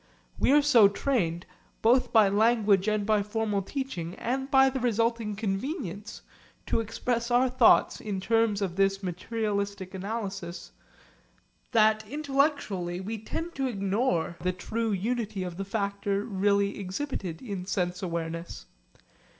We are so trained, both by language and by formal teaching and by the resulting convenience, to express our thoughts in terms of this materialistic analysis that intellectually we tend to ignore the true unity of the factor really exhibited in sense awareness.